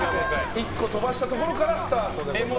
１個、飛ばしたところからスタートです。